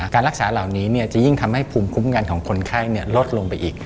การรักษาเหล่านี้จะยิ่งทำให้ภูมิคุ้มกันของคนไข้ลดลงไปอีก